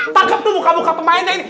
tangkap tuh buka buka pemainnya ini